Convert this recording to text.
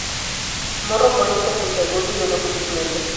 Morro cónico, puntiagudo y de longitud media.